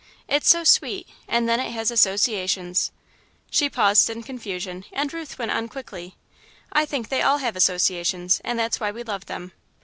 It's so sweet, and then it has associations " She paused, in confusion, and Ruth went on, quickly: "I think they all have associations, and that's why we love them.